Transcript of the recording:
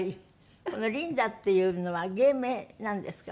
この「リンダ」っていうのは芸名なんですか？